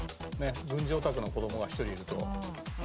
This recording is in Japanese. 軍事オタクの子供が１人いると。